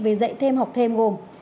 về dạy thêm học thêm gồm